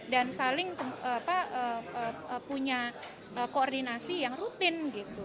dan saling punya koordinasi yang rutin